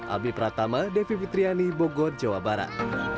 ami pratama devi pitriani bogor jawa barat